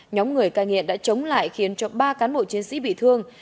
nhóm người cai nghiện đã chống lại khiến cho ba cán bộ chiến sĩ bị thương